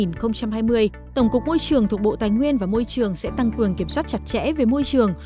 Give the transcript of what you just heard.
năm hai nghìn hai mươi tổng cục môi trường thuộc bộ tài nguyên và môi trường sẽ tăng cường kiểm soát chặt chẽ về môi trường